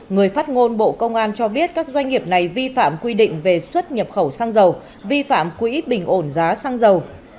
người phát ngôn bộ công an cho biết các doanh nghiệp này vi phạm quy định về xuất nhập khẩu xăng dầu vi phạm quỹ bình ổn giá xăng dầu